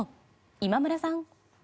今村さん。